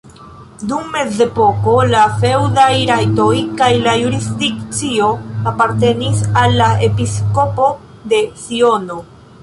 Dum mezepoko la feŭdaj rajtoj kaj la jurisdikcio apartenis al la episkopo de Siono.